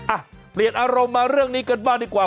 อ่ะเปลี่ยนอารมณ์มาเรื่องนี้กันบ้างดีกว่า